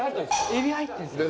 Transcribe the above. エビ入ってるんですか？